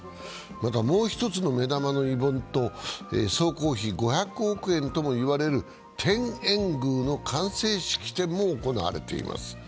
また、もう一つの目玉のイベント、総工費５００億円ともいわれる天苑宮の完成式典も行われています。